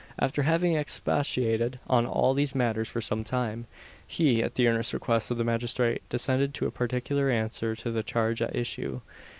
After having expatiated on all these matters for some time, he, at the earnest request of the magistrate, descended to a particular answer to the charge at issue.